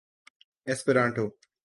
Esperanto